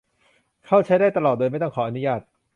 เข้าใช้ได้ตลอดโดยไม่ต้องขออนุญาต